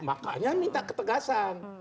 makanya minta ketegasan